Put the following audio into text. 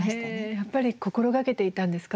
やっぱり心がけていたんですか？